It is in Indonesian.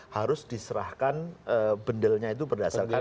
harus diserahkan bendelnya itu berdasarkan